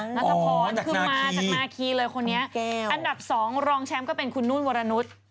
นัทพรคือมาจากนาคีเลยคนนี้อันดับ๒รองแชมป์ก็เป็นคุณนุ่นวรนุษย์